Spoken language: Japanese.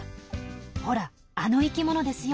ほらあの生き物ですよ。